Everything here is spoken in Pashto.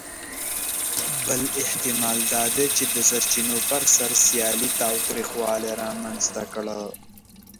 بل احتمال دا دی، چې د سرچینو پر سر سیالي تاوتریخوالي رامنځ ته کړه.